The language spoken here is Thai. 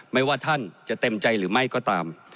ไม่ว่าท่านจะเต็มใจหรือไม่ก็ตาม